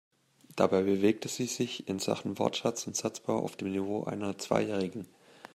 Dabei bewegte sie sich in Sachen Wortschatz und Satzbau auf dem Niveau einer Zweijährigen.